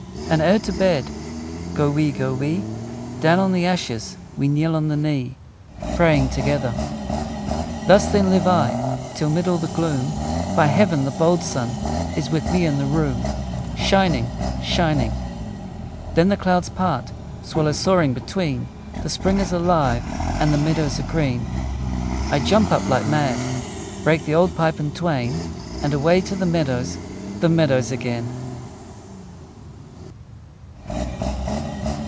And ere to bed Go we, go we, Down on the ashes We kneel on the knee, Praying together! Thus, then, live I Till, 'mid all the gloom, By Heaven! the bold sun Is with me in the room Shining, shining! Then the clouds part, Swallows soaring between; The spring is alive, And the meadows are green! I jump up like mad, Break the old pipe in twain, And away to the meadows, The meadows again!